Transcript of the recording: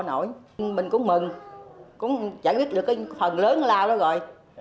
mình cũng mừng cũng chẳng biết được cái phần lớn nào đó rồi